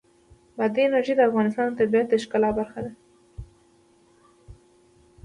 بادي انرژي د افغانستان د طبیعت د ښکلا برخه ده.